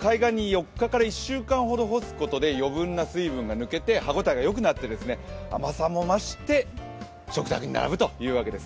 海岸に４日から１週間ほど干すことで余分な水分が抜けて歯応えがよくなって甘さも増して食卓に並ぶというわけです。